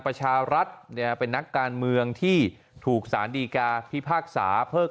ประชารัฐเนี่ยเป็นนักการเมืองที่ถูกสารดีกาพิพากษาเพิก